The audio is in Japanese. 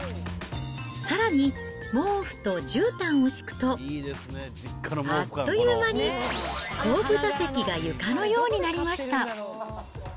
さらに、毛布とじゅうたんを敷くと、あっという間に、後部座席が床のようになりました。